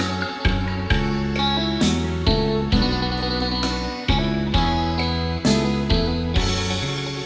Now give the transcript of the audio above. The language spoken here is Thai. ขอบคุณครับ